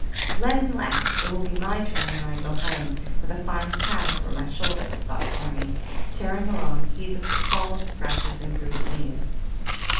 "Let him laugh; it will be my turn when I go home, with a fine cat over my shoulder," thought Corny, tearing along, heedless of falls, scratches, and bruised knees.